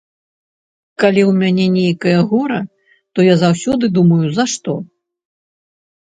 Калі ў мяне нейкае гора, то я заўсёды думаю, за што?